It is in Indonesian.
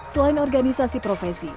selain organisasi profesi